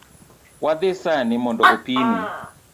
Wadhi sani mondo opimi